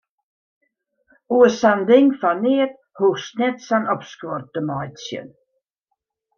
Oer sa'n ding fan neat hoechst net sa'n opskuor te meitsjen.